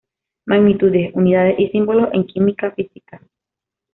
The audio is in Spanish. Magnitudes, Unidades y Símbolos en Química Física.